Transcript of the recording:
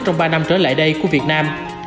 trong ba năm trở lại đây của việt nam